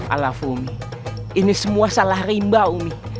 alaf umi ini semua salah rimba umi